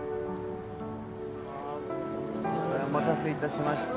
お待たせ致しました。